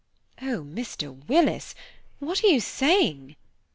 "Oh, Mr. Willis, what are you saying?